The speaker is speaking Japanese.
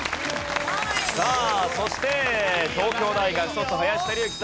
さあそして東京大学卒林輝幸さん。